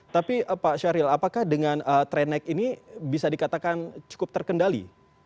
tapi pak syahril apakah dengan tren naik ini bisa dikatakan cukup terkendali